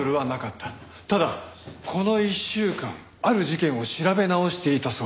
ただこの１週間ある事件を調べ直していたそうだ。